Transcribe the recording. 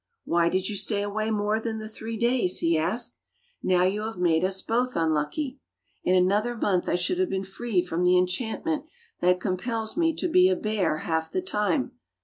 "Why did you stay away more than the three days.^" he asked. "Now you have made us both unlucky. In another month I should have been free from the enchant ment that compels me to be a bear half the time.